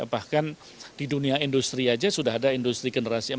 bahkan di dunia industri aja sudah ada industri generasi empat